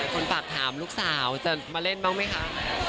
คนฝากถามลูกสาวจะมาเล่นบ้างไหมคะ